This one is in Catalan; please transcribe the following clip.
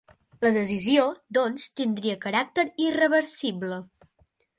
La decisió, doncs, tindria caràcter irreversible.